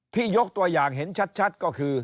ยกตัวอย่างเห็นชัดก็คือ